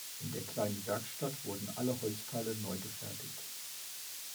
In der kleinen Werkstatt wurden alle Holzteile neu gefertigt.